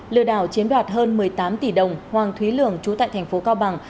lừa đảo chiếm đoạt hơn một mươi tám tỷ đồng hoàng thúy lường trú tại thành phố cao bằng